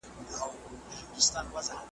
زه به بازار ته تللی وي!